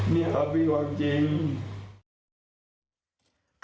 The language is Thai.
เนี่ยครับบิ๊กว่าจริง